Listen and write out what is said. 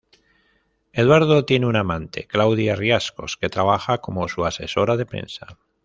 Eduardo tiene una amante, Claudia Riascos, que trabaja como su asesora de prensa.